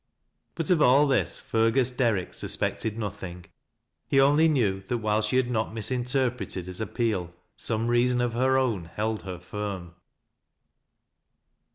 But of all this, Fergus Derrick suspected nothing. He only knew that while she had no'; misinterj reted hia ap peal, gome reason of her pwn bold her firm.